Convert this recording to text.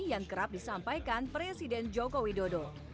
yang kerap disampaikan presiden joko widodo